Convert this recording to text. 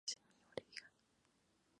Empezó a navegar a los ocho años en Optimist.